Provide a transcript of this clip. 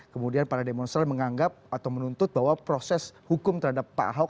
kemudian para demonstran menganggap atau menuntut bahwa proses hukum terhadap pak ahok